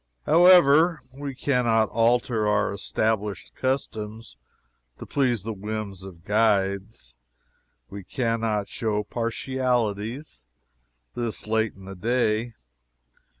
However, we can not alter our established customs to please the whims of guides; we can not show partialities this late in the day.